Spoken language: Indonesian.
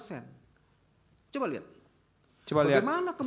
bagaimana kemudian ahli bisa membandingkan itu dengan sirecap